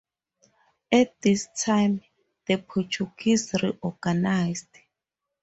At this time, the Portuguese reorganized.